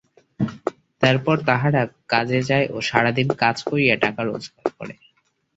তারপর তাহারা কাজে যায় ও সারাদিন কাজ করিয়া টাকা রোজগার করে।